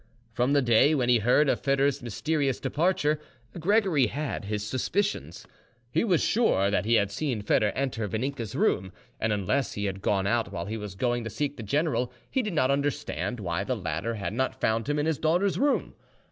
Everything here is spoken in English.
From the day when he heard of Foedor's mysterious departure Gregory had his suspicions. He was sure that he had seen Foedor enter Vaninka's room, and unless he had gone out while he was going to seek the general, he did not understand why the latter had not found him in his daughter's room.